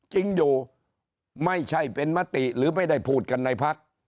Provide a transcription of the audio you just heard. จริงอยู่ไม่ใช่เป็นมติหรือไม่ได้พูดกันในพัก